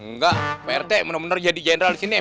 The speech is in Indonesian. nggak pak rt bener bener jadi general disini ya